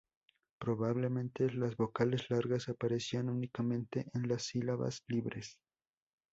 Probablemente las vocales largas aparecían únicamente en las sílabas libres.